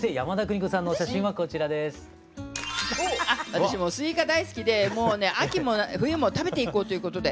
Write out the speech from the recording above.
私もうすいか大好きでもうね秋も冬も食べていこうということで。